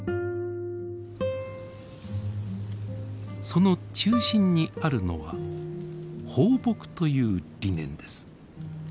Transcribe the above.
その中心にあるのは「抱樸」という理念です。